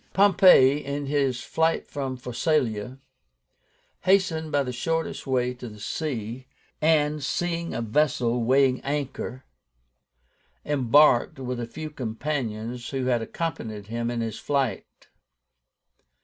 Pompey, in his flight from Pharsalia, hastened by the shortest way to the sea, and, seeing a vessel weighing anchor, embarked with a few companions who had accompanied him in his flight.